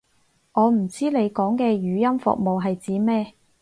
我唔知你講嘅語音服務係指咩